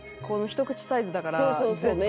このひと口サイズだから絶対。